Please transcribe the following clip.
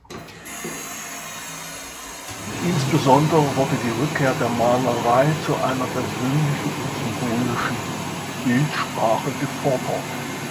Insbesondere wurde die Rückkehr der Malerei zu einer persönlichen und symbolischen Bildsprache gefordert.